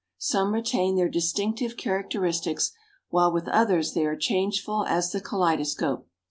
Some retain their distinctive characteristics, while with others they are changeful as the Kaleidoscope.